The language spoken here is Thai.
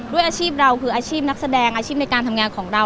ด้วยอาชีพเราคืออาชีพนักแสดงอาชีพในการทำงานของเรา